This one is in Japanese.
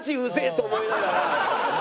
と思いながら。